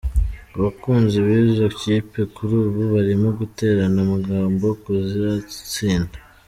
Abakunzi b’izo kipe kuri ubu barimo guterana amagambo ku izatsinda.